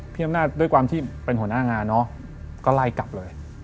พี่อำนาจด้วยความที่เป็นหัวหน้างานเนอะก็ไล่กลับเลย